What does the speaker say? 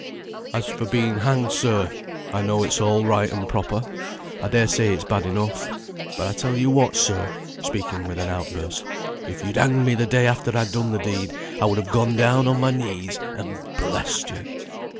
"As for being hanged, sir, I know it's all right and proper. I dare say it's bad enough; but I tell you what, sir," speaking with an out burst, "if you'd hanged me the day after I'd done the deed, I would have gone down on my knees and blessed you.